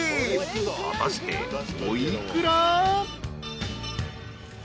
［果たしてお幾ら？］